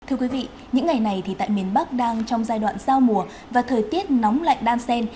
thưa quý vị những ngày này thì tại miền bắc đang trong giai đoạn giao mùa và thời tiết nóng lạnh đan sen